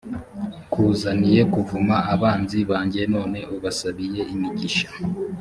kuzaniye kuvuma abanzi banjye none ubasabiye imigisha